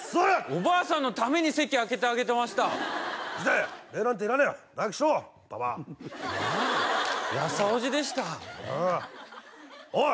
おばあさんのために席空けてあげてましたうるせえ礼なんていらねえよ早くしろババアああ優おじでしたああおい